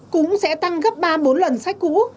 cũng sẽ tăng gấp ba bốn lần sách cũ